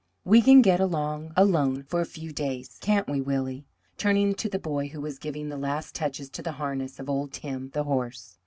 We can get along alone for a few days, can't we, Willie?" turning to the boy who was giving the last touches to the harness of old Tim, the horse.